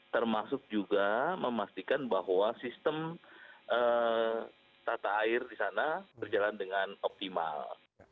termasuk juga memastikan bahwa sistem tata air di sana berjalan dengan optimal